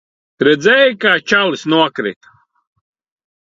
Redzēji, kā čalis nokrita?